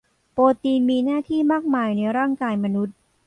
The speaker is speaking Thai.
โปรตีนมีหน้าที่มากมายในร่างกายมนุษย์